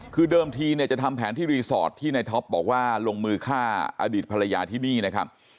คือเดิมทีเนี่ยจะทำแผนที่รีสอร์ทที่ในท็อปบอกว่าลงมือฆ่าอดีตภรรยาที่นี่นะครับ